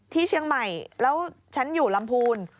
ที่เชียงใหม่แล้วฉันอยู่ลำพูน